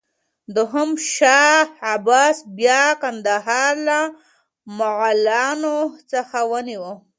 دوهم شاه عباس بیا کندهار له مغلانو څخه ونیوه.